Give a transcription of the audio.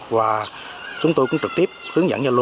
và chúng tôi cũng trực tiếp hướng dẫn gia lô